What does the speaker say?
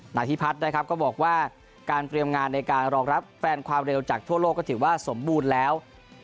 นายพิพัฒน์นะครับก็บอกว่าการเตรียมงานในการรองรับแฟนความเร็วจากทั่วโลกก็ถือว่าสมบูรณ์แล้ว